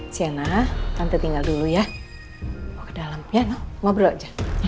sienna nanti tinggal dulu ya ke dalam piano ngobrol aja